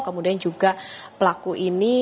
kemudian juga pelaku ini